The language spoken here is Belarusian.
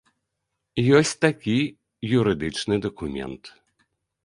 Ёсць такі юрыдычны дакумент.